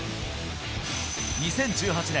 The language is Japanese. ２０１８年